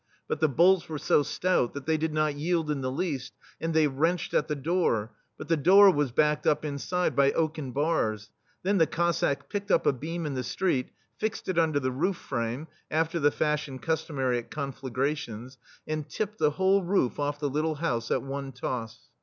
But the bolts were so stout that they did not yield in the least, and they wrenched at the door; but the door was backed up in side by oaken bars. Then the Cossacks picked up a beam in the street, fixed it under the roof frame, after the fash ion customary at conflagrations, and tipped the whole roof off the little house at one toss.